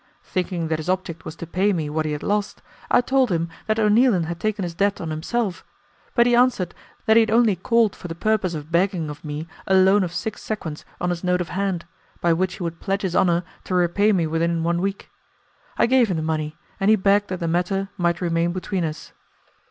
Thinking that his object was to pay me what he had lost, I told him that O'Neilan had taken his debt on himself, but he answered than he had only called for the purpose of begging of me a loan of six sequins on his note of hand, by which he would pledge his honour to repay me within one week. I gave him the money, and he begged that the matter, might remain between us.